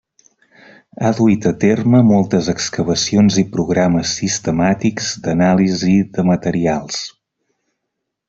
Ha duit a terme moltes excavacions i programes sistemàtics d'anàlisi de materials.